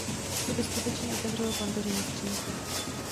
To by skutečně otevřelo Pandořinu skříňku.